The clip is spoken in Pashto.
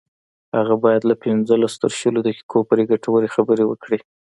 هغه باید له پنځلس تر شلو دقیقو پورې ګټورې خبرې وکړي